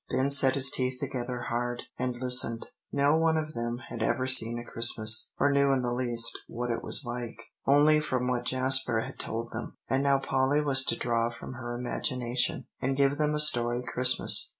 Ben set his teeth together hard, and listened. No one of them had ever seen a Christmas, or knew in the least what it was like, only from what Jasper had told them. And now Polly was to draw from her imagination, and give them a story Christmas.